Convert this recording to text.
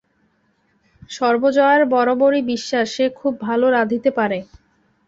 সর্বজয়ার বরাবরই বিশ্বাস সে খুব ভালো রাঁধিতে পারে।